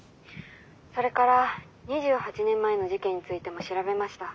それから２８年前の事件についても調べました。